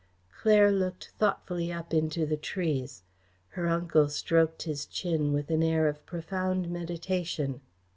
Claire looked thoughtfully up into the trees; her uncle stroked his chin with an air of profound meditation.